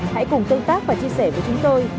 hãy cùng tương tác và chia sẻ với chúng tôi